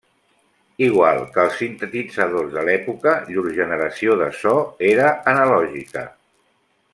Igual que els sintetitzadors de l'època llur generació de so era analògica.